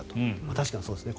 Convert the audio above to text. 確かにそうですね。